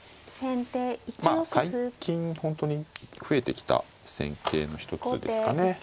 まあ最近本当に増えてきた戦型の一つですかね。